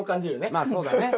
まあそうだね。